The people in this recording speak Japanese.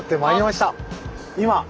今。